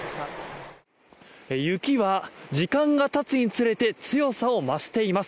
雪は時間が経つにつれて強さを増しています。